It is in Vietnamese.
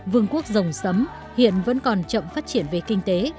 vương quốc rồng sấm hiện vẫn còn chậm phát triển về kinh tế